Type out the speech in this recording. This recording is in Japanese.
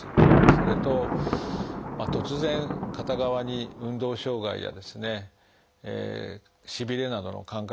それと突然片側に運動障害やしびれなどの感覚